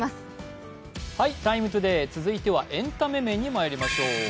「ＴＩＭＥ，ＴＯＤＡＹ」、続いてはエンタメ面にまいりましょう。